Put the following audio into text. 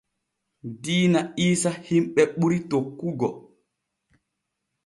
Diina iisa himɓe ɓuri tokkugo.